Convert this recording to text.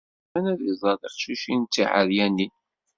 Yebɣa kan ad iẓer tiqcicin d tiɛeryanin.